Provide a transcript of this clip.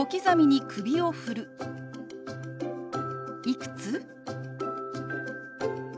「いくつ？」。